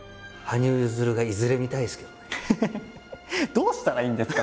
どうしたらいいんですか？